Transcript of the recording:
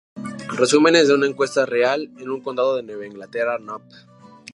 Resúmenes de una encuesta real en un Condado de Nueva Inglaterra., nov.